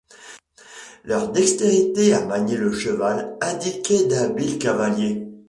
Leur dextérité à manier le cheval indiquait d’habiles cavaliers.